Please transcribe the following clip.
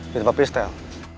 di tempat pistol